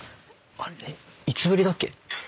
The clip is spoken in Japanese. いつぶりだっけ？